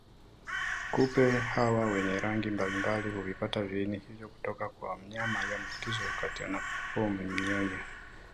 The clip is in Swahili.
Kupe hawa wenye rangi mbalimbali huvipata viini hivyo kutoka kwa mnyama aliyeambukizwa wakati anapomnyonya